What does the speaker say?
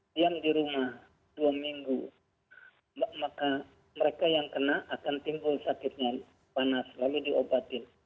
diam di rumah dua minggu maka mereka yang kena akan timbul sakitnya panas lalu diobatin